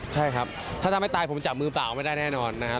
ใช่ครับถ้าทำให้ตายผมจับมือเปล่าไม่ได้แน่นอนนะครับ